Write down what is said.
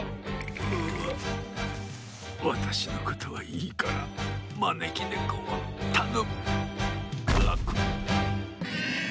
うわたしのことはいいからまねきねこをたのむガクッ。